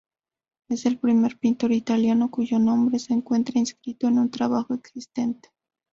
Es el primer pintor italiano cuyo nombre se encuentra inscrito en un trabajo existente.